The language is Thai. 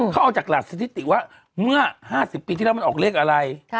เขาเอาจากหลักสถิติว่าเมื่อ๕๐ปีที่แล้วมันออกเลขอะไร